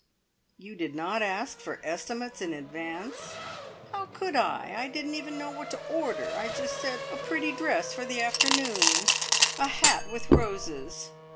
"You did not ask for estimates in advance?" "How could I? I didn't even know what to order. I just said, `A pretty dress for the afternoon.' `A hat with roses.'